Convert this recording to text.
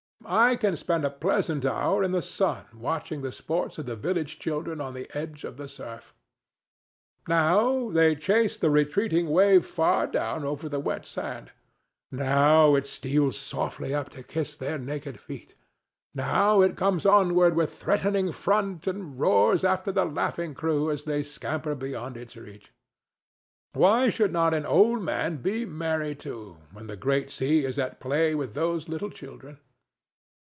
I can spend a pleasant hour in the sun watching the sports of the village children on the edge of the surf. Now they chase the retreating wave far down over the wet sand; now it steals softly up to kiss their naked feet; now it comes onward with threatening front, and roars after the laughing crew as they scamper beyond its reach. Why should not an old man be merry too, when the great sea is at play with those little children?